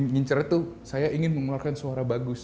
ngincer itu saya ingin mengeluarkan suara bagus